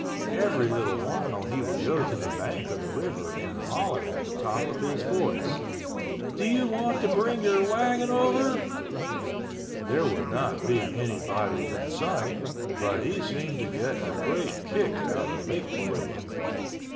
Every little while he would go to the bank of the river and holler at the top of his voice, "Do you want to bring your wagon over?" There would not be anybody in sight, but he seemed to get a great kick out of make believe.